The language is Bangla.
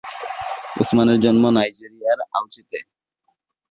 উসমানের জন্ম নাইজেরিয়ার আউচিতে।